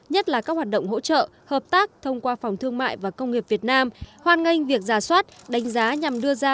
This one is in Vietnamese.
hợp tác thông qua phòng thương mại và công nghiệp việt nam hoan nghênh việc giả soát đánh giá nhằm đưa ra